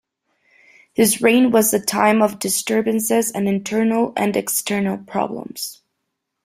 His reign was a time of disturbances and internal and external problems.